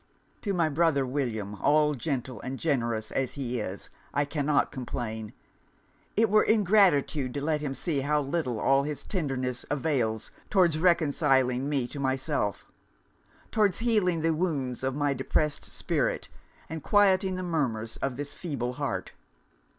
'To my brother William, all gentle and generous as he is, I cannot complain. It were ingratitude to let him see how little all his tenderness avails towards reconciling me to myself; towards healing the wounds of my depressed spirit, and quieting the murmurs of this feeble heart.